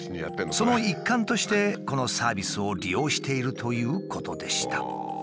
その一環としてこのサービスを利用しているということでした。